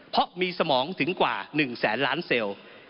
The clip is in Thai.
เพราะมีสมองถึงกว่า๑แสนล้านเซลล์